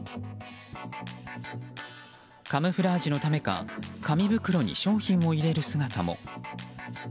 カムフラージュのためか紙袋に商品を入れる姿も。